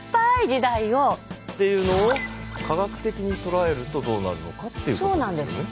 いうのを科学的に捉えるとどうなるのかっていうことですよね。